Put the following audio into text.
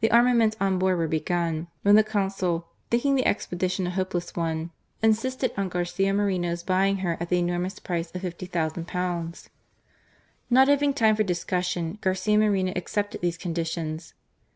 The armaments on board were begun, when the Consul, thinking the expedition a hopeless one, insisted on Garcia Moreno's buying her at the enormous price of jf50,ooo. Not having time for discussion, Garcia Moreno accepted these conditions.